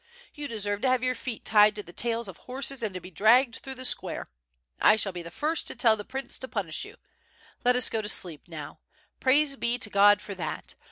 You deserve to have your feet tied to the tails of horses and to be dragged through the square. I shall be the first to tell the prince to punish you. Let us gd to sleep now. Praise be to God for that!